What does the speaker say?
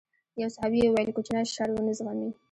يو صحابي وويل کوچنی شر ونه زغمي.